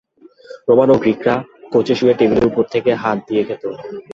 Roman ও গ্রীকরা কোচে শুয়ে টেবিলের ওপর থেকে হাত দিয়ে খেত।